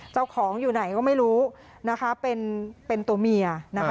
เจ้าของอยู่ไหนก็ไม่รู้นะคะเป็นตัวเมีย